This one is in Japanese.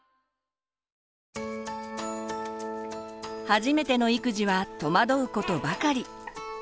初めての育児は戸惑うことばかり。